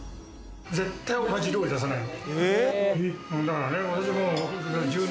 絶対同じ料理出さないの。